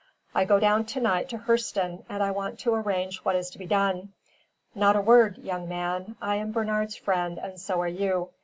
"I go down to night to Hurseton, and I want to arrange what is to be done. Not a word, young man. I am Bernard's friend and so are you.